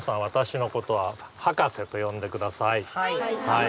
私のことは「ハカセ」と呼んでください。